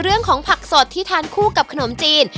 เรื่องของผักสดที่ทานคู่กับขนมจีน